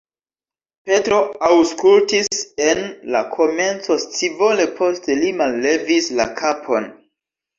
Petro aŭskultis en la komenco scivole, poste li mallevis la kapon.